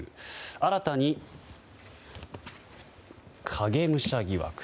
新たに影武者疑惑。